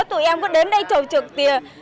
tụi em cứ đến đây trầu trực tiền